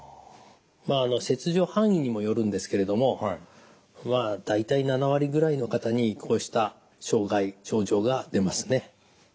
まあ切除範囲にもよるんですけれども大体７割ぐらいの方にこうした障害症状が出ますね。